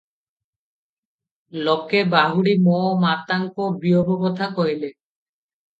ଲୋକେ ବାହୁଡ଼ି ମୋ ମାତାଙ୍କ ବିଯୋଗ କଥା କହିଲେ ।